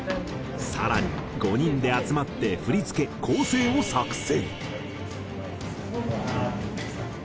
更に５人で集まって振り付け・構成を作成。